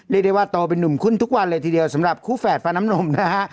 เรียกได้ว่าโตเป็นนุ่มขึ้นทุกวันเลยทีเดียวสำหรับคู่แฝดฟ้าน้ำนมนะฮะ